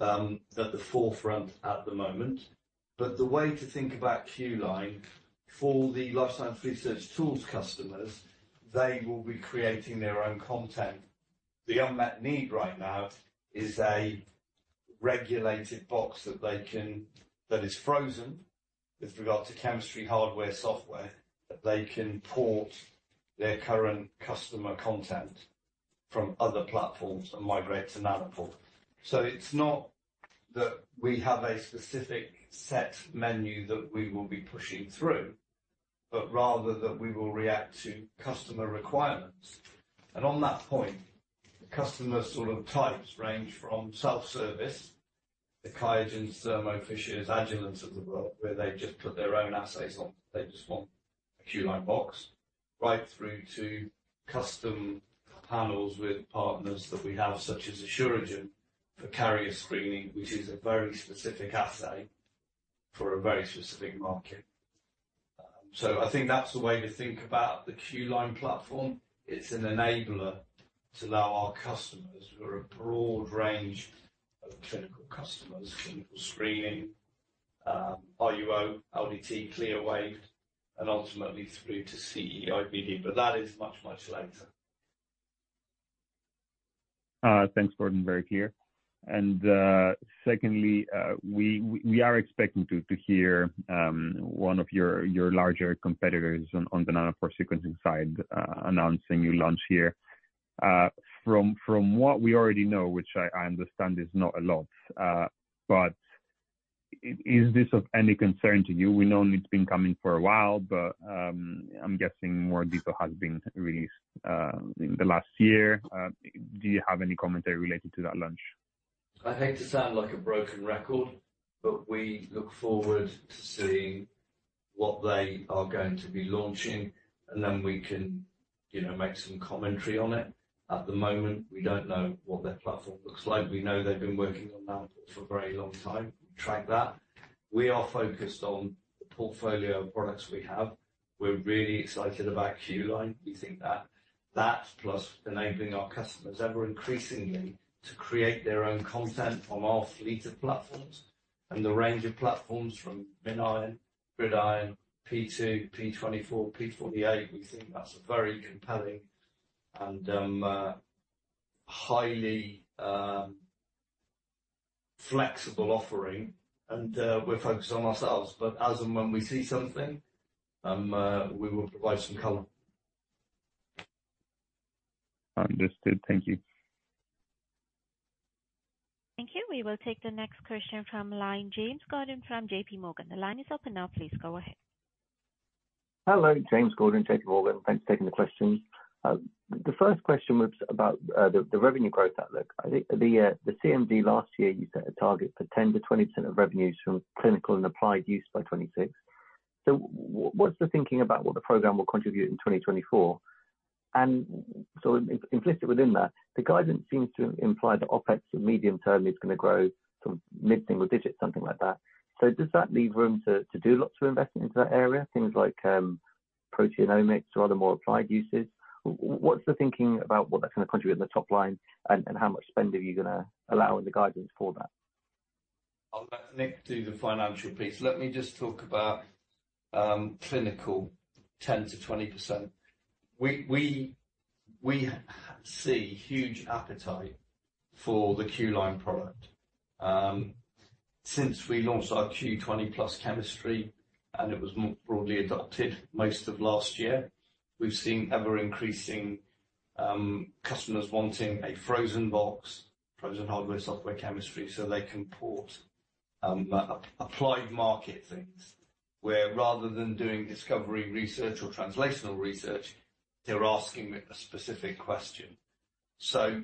at the forefront at the moment. But the way to think about Q-Line, for the Life Science Research Tools customers, they will be creating their own content. The unmet need right now is a regulated box that is frozen with regard to chemistry, hardware, software, that they can port their current customer content from other platforms and migrate to Nanopore. So it's not that we have a specific set menu that we will be pushing through, but rather that we will react to customer requirements. And on that point, the customer sort of types range from self-service, the Illumina, Thermo Fisher, Agilent of the world, where they just put their own assays on. They just want a Q-Line box, right through to custom panels with partners that we have, such as Asuragen for carrier screening, which is a very specific assay for a very specific market. So I think that's the way to think about the Q-Line platform. It's an enabler to allow our customers who are a broad range of clinical customers, clinical screening, RUO, LDT, CLIA-waived, and ultimately through to CE-IVD. But that is much, much later. Thanks, Gordon. Very clear. Secondly, we are expecting to hear one of your larger competitors on the Nanopore sequencing side announcing their launch here. From what we already know, which I understand is not a lot, but is this of any concern to you? We know it's been coming for a while, but I'm guessing more detail has been released in the last year. Do you have any commentary related to that launch? I hate to sound like a broken record, but we look forward to seeing what they are going to be launching, and then we can make some commentary on it. At the moment, we don't know what their platform looks like. We know they've been working on Nanopore for a very long time. We track that. We are focused on the portfolio of products we have. We're really excited about Q-Line. We think that, plus enabling our customers ever increasingly to create their own content on our fleet of platforms and the range of platforms from MinION, GridION, P2, P24, P48, we think that's a very compelling and highly flexible offering. And we're focused on ourselves. But as and when we see something, we will provide some color. Understood. Thank you. Thank you. We will take the next question from James Gordon from JPMorgan. The line is open now. Please go ahead. Hello. James Gordon, JPMorgan. Thanks for taking the question. The first question was about the revenue growth outlook. I think the CMD last year, you set a target for 10%-20% of revenues from clinical and applied use by 2026. So what's the thinking about what the program will contribute in 2024? And so implicit within that, the guidance seems to imply that OpEx in medium term is going to grow to mid-single digit, something like that. So does that leave room to do lots of investment into that area, things like proteomics or other more applied uses? What's the thinking about what that's going to contribute in the top line, and how much spend are you going to allow in the guidance for that? I'll let Nick do the financial piece. Let me just talk about clinical 10%-20%. We see huge appetite for the Q-Line product. Since we launched our Q20+ chemistry, and it was broadly adopted most of last year, we've seen ever-increasing customers wanting a frozen box, frozen hardware, software chemistry, so they can port applied market things, where rather than doing discovery research or translational research, they're asking a specific question. So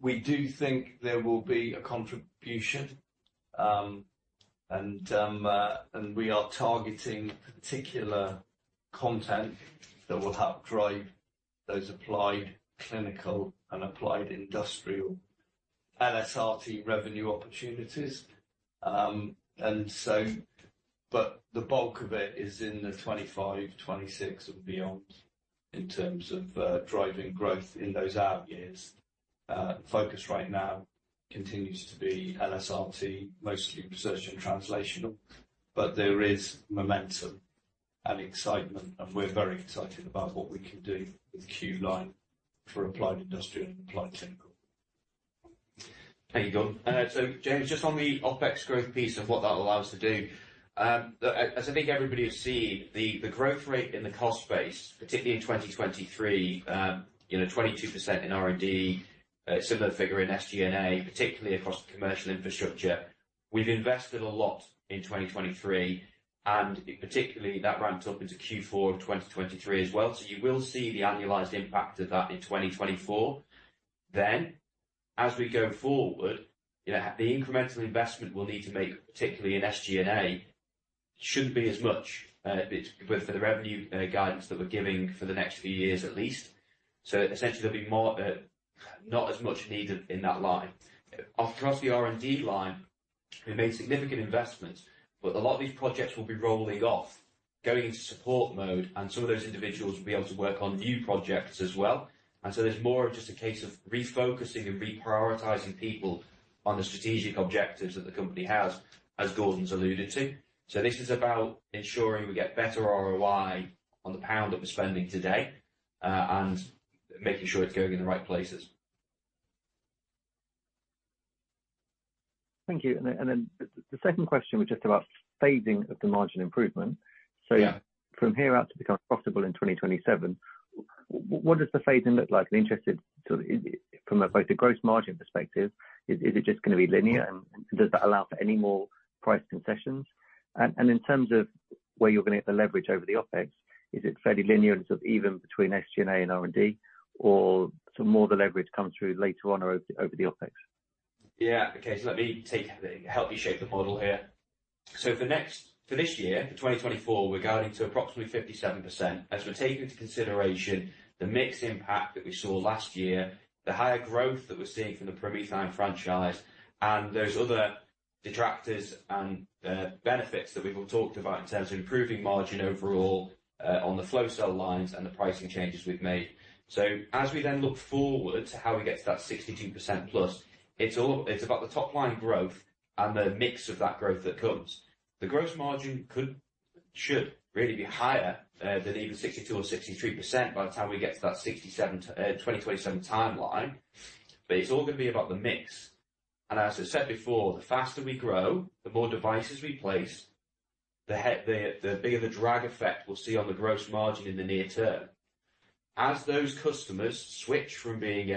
we do think there will be a contribution, and we are targeting particular content that will help drive those applied clinical and applied industrial LSRT revenue opportunities. But the bulk of it is in the 2025, 2026, and beyond in terms of driving growth in those out years. Focus right now continues to be LSRT, mostly research and translational, but there is momentum and excitement, and we're very excited about what we can do with Q-Line for applied industrial and applied clinical. Thank you, Gordon. So James, just on the OpEx growth piece and what that allows to do, as I think everybody has seen, the growth rate in the cost base, particularly in 2023, 22% in R&D, similar figure in SG&A, particularly across the commercial infrastructure. We've invested a lot in 2023, and particularly, that ramped up into Q4 of 2023 as well. So you will see the annualized impact of that in 2024. Then, as we go forward, the incremental investment we'll need to make, particularly in SG&A, shouldn't be as much for the revenue guidance that we're giving for the next few years, at least. So essentially, there'll be not as much need in that line. Across the R&D line, we made significant investments, but a lot of these projects will be rolling off, going into support mode, and some of those individuals will be able to work on new projects as well. And so there's more of just a case of refocusing and reprioritizing people on the strategic objectives that the company has, as Gordon's alluded to. So this is about ensuring we get better ROI on the pound that we're spending today and making sure it's going in the right places. Thank you. And then the second question was just about phasing of the margin improvement. So from here out to become profitable in 2027, what does the phasing look like? And interested sort of from both a gross margin perspective, is it just going to be linear, and does that allow for any more price concessions? And in terms of where you're going to get the leverage over the OpEx, is it fairly linear and sort of even between SG&A and R&D, or sort of more of the leverage comes through later on or over the OpEx? Yeah. Okay. So let me help you shape the model here. So for this year, for 2024, we're guiding to approximately 57% as we're taking into consideration the mixed impact that we saw last year, the higher growth that we're seeing from the PromethION franchise, and those other detractors and benefits that we've all talked about in terms of improving margin overall on the flow cell lines and the pricing changes we've made. So as we then look forward to how we get to that 62%+, it's about the top line growth and the mix of that growth that comes. The gross margin should really be higher than even 62% or 63% by the time we get to that 2027 timeline, but it's all going to be about the mix. As I said before, the faster we grow, the more devices we place, the bigger the drag effect we'll see on the gross margin in the near term. As those customers switch from being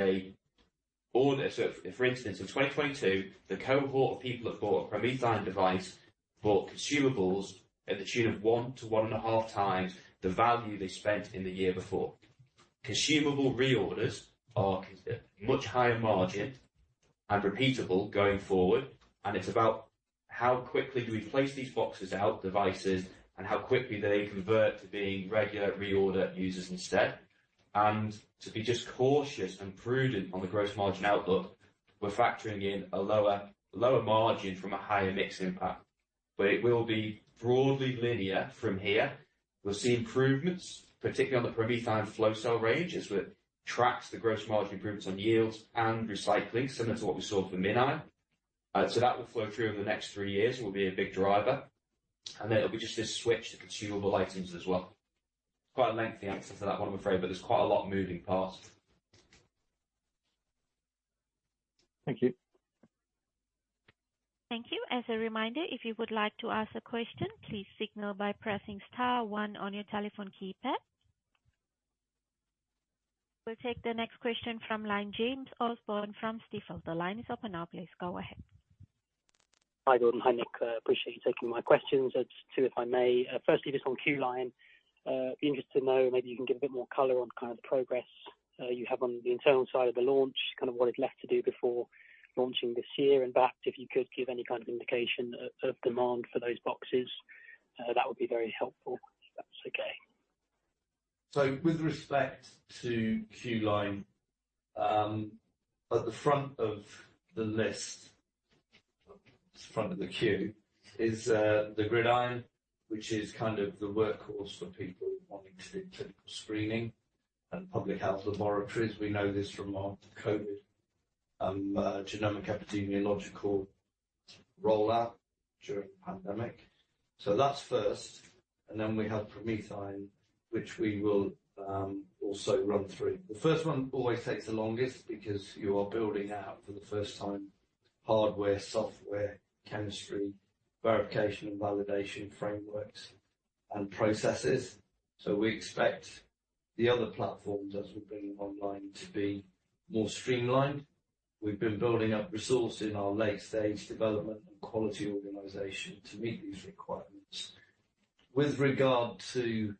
so, for instance, in 2022, the cohort of people that bought a PromethION device bought consumables at the tune of one to 1.5 times the value they spent in the year before. Consumable reorders are much higher margin and repeatable going forward, and it's about how quickly do we place these boxes out, devices, and how quickly do they convert to being regular reorder users instead. To be just cautious and prudent on the gross margin outlook, we're factoring in a lower margin from a higher mix impact, but it will be broadly linear from here. We'll see improvements, particularly on the PromethION flow cell range as we track the gross margin improvements on yields and recycling, similar to what we saw for MinION. So that will flow through over the next three years and will be a big driver. And then it'll be just this switch to consumable items as well. It's quite a lengthy answer to that one, I'm afraid, but there's quite a lot moving parts. Thank you. Thank you. As a reminder, if you would like to ask a question, please signal by pressing star 1 on your telephone keypad. We'll take the next question from James Osborne from Stifel. The line is open now. Please go ahead. Hi, Gordon. Hi, Nick. Appreciate you taking my questions. Two if I may. Firstly, just on Q-Line, I'd be interested to know maybe you can give a bit more color on kind of the progress you have on the internal side of the launch, kind of what is left to do before launching this year, and back to if you could give any kind of indication of demand for those boxes. That would be very helpful if that's okay. So with respect to Q-Line, at the front of the list, the front of the queue, is the GridION, which is kind of the workhorse for people wanting to do clinical screening and public health laboratories. We know this from our COVID genomic epidemiological rollout during the pandemic. So that's first. And then we have PromethION, which we will also run through. The first one always takes the longest because you are building out for the first time hardware, software, chemistry, verification and validation frameworks and processes. So we expect the other platforms as we bring them online to be more streamlined. We've been building up resource in our late-stage development and quality organization to meet these requirements. With regard to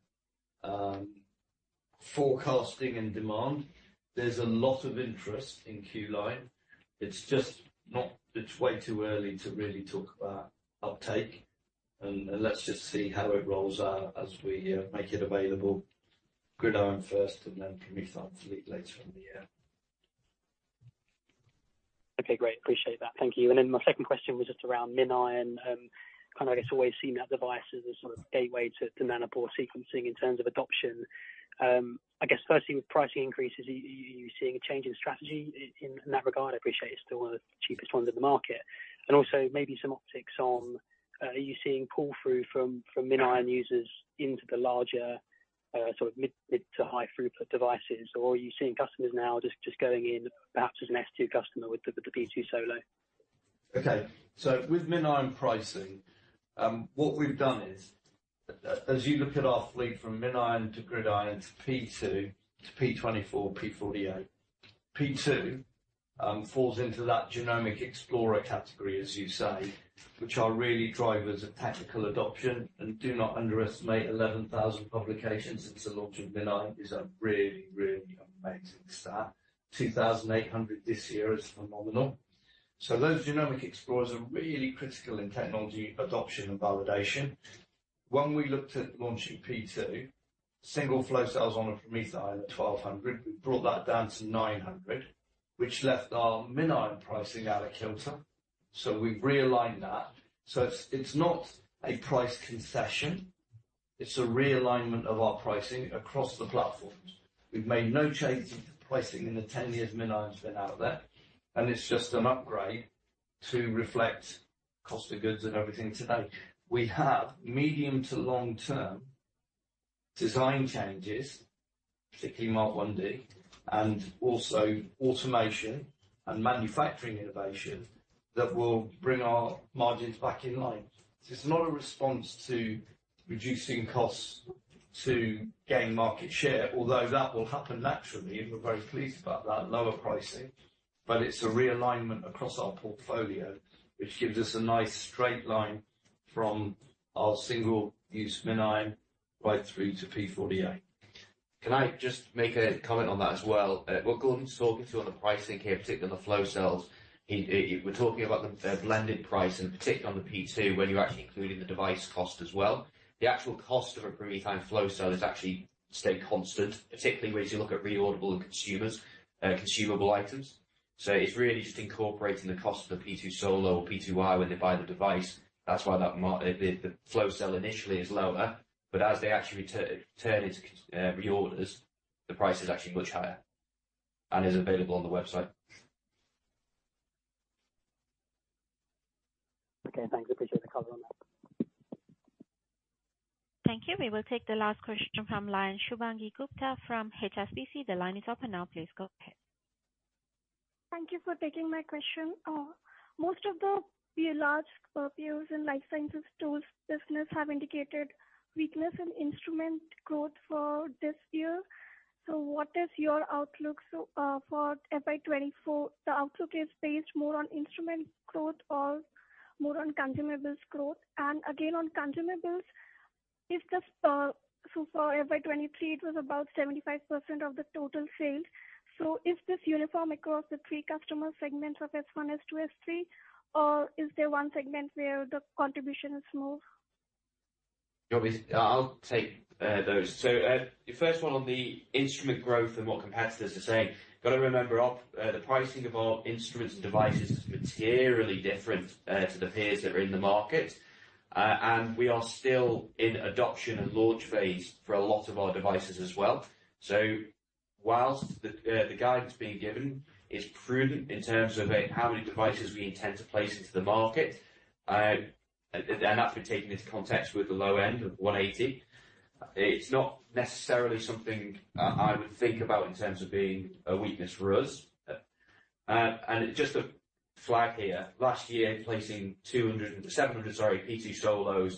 forecasting and demand, there's a lot of interest in Q-Line. It's way too early to really talk about uptake. Let's just see how it rolls out as we make it available, GridION first, and then PromethION fleet later in the year. Okay. Great. Appreciate that. Thank you. And then my second question was just around MinION. Kind of, I guess, always seen that device as a sort of gateway to Nanopore sequencing in terms of adoption. I guess firstly, with pricing increases, are you seeing a change in strategy in that regard? I appreciate it's still one of the cheapest ones in the market. And also maybe some optics on are you seeing pull-through from MinION users into the larger sort of mid- to high-throughput devices, or are you seeing customers now just going in perhaps as a P2 customer with the P2 Solo? Okay. So with MinION pricing, what we've done is, as you look at our fleet from MinION to GridION to P2 to P24, P48, P2 falls into that Genomic Explorer category, as you say, which are really drivers of technical adoption. And do not underestimate 11,000 publications since the launch of MinION is a really, really amazing stat. 2,800 this year is phenomenal. So those Genomic Explorers are really critical in technology adoption and validation. When we looked at launching P2, single flow cells on a PromethION at 1,200, we brought that down to 900, which left our MinION pricing out of kilter. So we've realigned that. So it's not a price concession. It's a realignment of our pricing across the platforms. We've made no changes to pricing in the 10 years MinION's been out there, and it's just an upgrade to reflect cost of goods and everything today. We have medium to long-term design changes, particularly Mk1D, and also automation and manufacturing innovation that will bring our margins back in line. So it's not a response to reducing costs to gain market share, although that will happen naturally, and we're very pleased about that, lower pricing. But it's a realignment across our portfolio, which gives us a nice straight line from our single-use MinION right through to P48. Can I just make a comment on that as well? What Gordon's talking to on the pricing here, particularly on the flow cells, we're talking about the blended price and particularly on the P2 when you're actually including the device cost as well. The actual cost of a PromethION flow cell is actually stayed constant, particularly whereas you look at reorderable and consumable items. So it's really just incorporating the cost of the P2 Solo or P2i when they buy the device. That's why the flow cell initially is lower, but as they actually turn into reorders, the price is actually much higher and is available on the website. Okay. Thanks. Appreciate the color on that. Thank you. We will take the last question from Shubhangi Gupta from HSBC. The line is open now. Please go ahead. Thank you for taking my question. Most of the large peers and life sciences tools business have indicated weakness in instrument growth for this year. So what is your outlook for FY 2024? The outlook is based more on instrument growth or more on consumables growth? And again, on consumables, so for FY 2023, it was about 75% of the total sales. So is this uniform across the three customer segments of S1, S2, S3, or is there one segment where the contribution is more? Obviously, I'll take those. So your first one on the instrument growth and what competitors are saying, got to remember the pricing of our instruments and devices is materially different to the peers that are in the market, and we are still in adoption and launch phase for a lot of our devices as well. So whilst the guidance being given, it's prudent in terms of how many devices we intend to place into the market. And that's been taken into context with the low end of 180. It's not necessarily something I would think about in terms of being a weakness for us. And just a flag here, last year placing 700, sorry, P2 Solo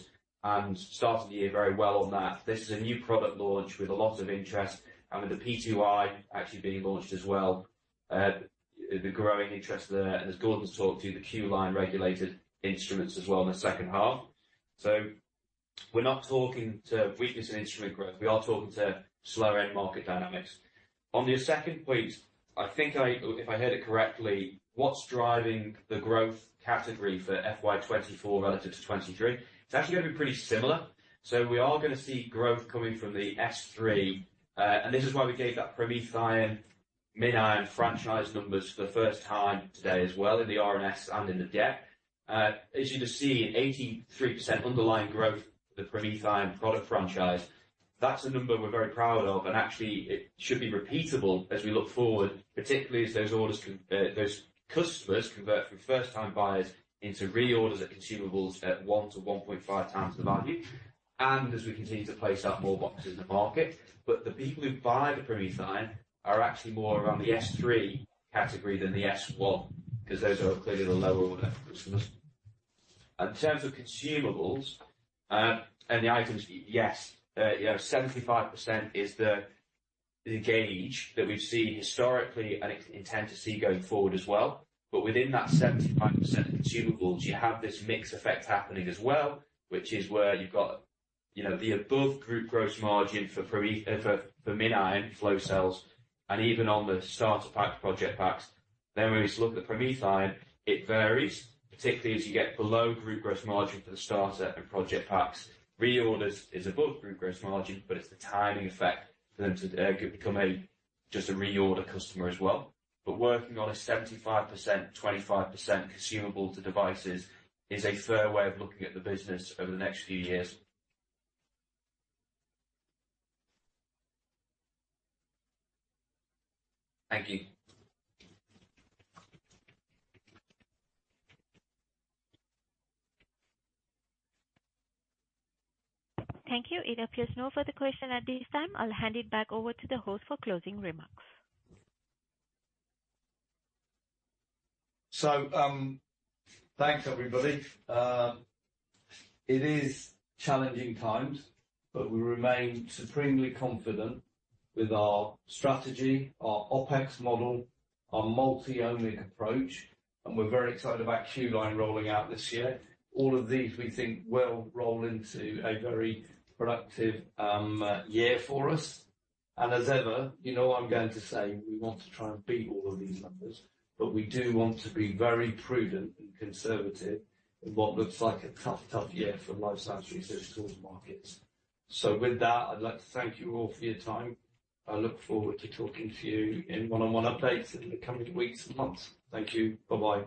and starting the year very well on that. This is a new product launch with a lot of interest and with the P2i actually being launched as well, the growing interest. As Gordon's talked to, the Q-Line regulated instruments as well in the second half. So we're not talking to weakness in instrument growth. We are talking to slower-end market dynamics. On your second point, I think if I heard it correctly, what's driving the growth category for FY 2024 relative to 2023? It's actually going to be pretty similar. So we are going to see growth coming from the S3. And this is why we gave that PromethION MinION franchise numbers for the first time today as well in the RNS and in the deck. As you can see, 83% underlying growth for the PromethION product franchise. That's a number we're very proud of, and actually, it should be repeatable as we look forward, particularly as those customers convert from first-time buyers into reorders at consumables at 1-1.5 times the value and as we continue to place out more boxes in the market. But the people who buy the PromethION are actually more around the S3 category than the S1 because those are clearly the lower-order customers. And in terms of consumables and the items, yes, 75% is the gauge that we've seen historically and intend to see going forward as well. But within that 75% of consumables, you have this mix effect happening as well, which is where you've got the above-group gross margin for MinION flow cells. And even on the starter packs, project packs, then when we look at PromethION, it varies, particularly as you get below-group gross margin for the starter and project packs. Reorders is above-group gross margin, but it's the timing effect for them to become just a reorder customer as well. But working on a 75%-25% consumable to devices is a fair way of looking at the business over the next few years. Thank you. Thank you. It appears no further question at this time. I'll hand it back over to the host for closing remarks. So thanks, everybody. It is challenging times, but we remain supremely confident with our strategy, our OPEX model, our multi-omics approach, and we're very excited about Q-Line rolling out this year. All of these, we think, will roll into a very productive year for us. And as ever, I'm going to say, we want to try and beat all of these numbers, but we do want to be very prudent and conservative in what looks like a tough, tough year for life science research tools markets. So with that, I'd like to thank you all for your time. I look forward to talking to you in one-on-one updates in the coming weeks and months. Thank you. Bye-bye.